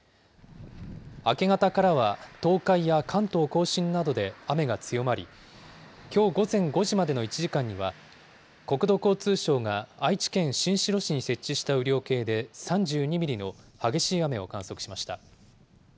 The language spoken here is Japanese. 明け方からは、東海や関東甲信などで雨が強まり、きょう午前５時までの１時間には、国土交通省が愛知県新城市に設置した雨量計で３２ミリの激しい雨を観測しました。